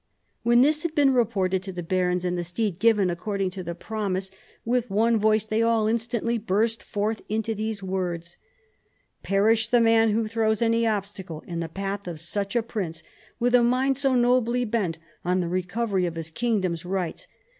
' When this had been reported to the barons and the steed given according to the promise, with one voice they all instantly burst forth into these words :' Perish the man who throws any obstacle in the path of such a prince, with a mind so nobly bent on the recovery of his kingdom's rights.